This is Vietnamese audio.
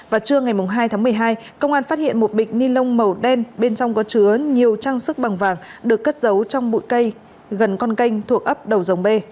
vào trưa ngày hai tháng một mươi hai công an phát hiện một bịch ni lông màu đen bên trong có chứa nhiều trang sức bằng vàng được cất giấu trong bụi cây gần con canh thuộc ấp đầu dòng b